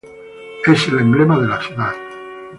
Es el emblema de la ciudad.